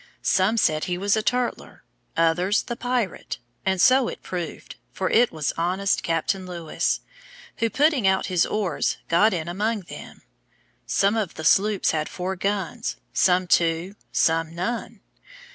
Some said he was a turtler; others, the pirate, and so it proved; for it was honest Captain Lewis, who putting out his oars, got in among them. Some of the sloops had four guns, some two, some none.